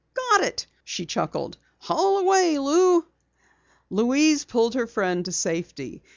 "Got it!" she chuckled. "Haul away, Lou." Louise pulled her friend to safety.